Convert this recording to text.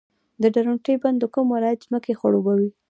د درونټې بند د کوم ولایت ځمکې خړوبوي؟